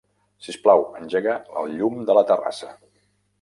Sisplau, engega el llum de la terrassa.